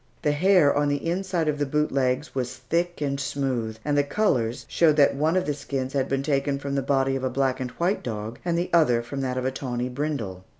The hair on the inside of the boot legs was thick and smooth, and the colors showed that one of the skins had been taken from the body of a black and white dog, and the other from that of a tawny brindle.